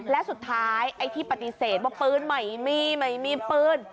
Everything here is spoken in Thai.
และสุดท้ายไอ้ที่ปฏิเสธว่าปืนไม่มีไม่มีปืน